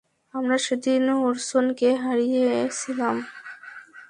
আমরা সেদিন ওরসনকে হারিয়েছিলাম।